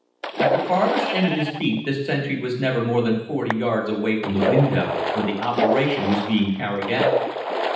At the farthest end of his beat the sentry was never more than 40 yards away from the window where the operation was being carried out.